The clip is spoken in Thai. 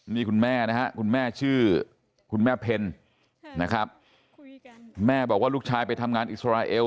นี่คุณแม่นะฮะคุณแม่ชื่อคุณแม่เพลนะครับแม่บอกว่าลูกชายไปทำงานอิสราเอล